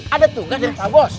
ada tugas dari pak bos